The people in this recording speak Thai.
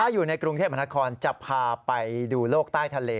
อยู่ในกรุงเทพมหานครจะพาไปดูโลกใต้ทะเล